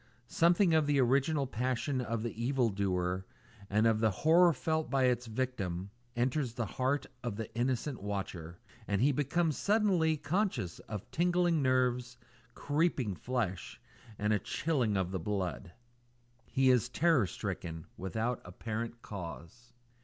Something of the original passion of the evil doer, and of the horror felt by his victim, enters the heart of the innocent watcher, and he becomes suddenly conscious of tingling nerves, creeping skin, and a chilling of the blood. He is terror stricken without apparent cause.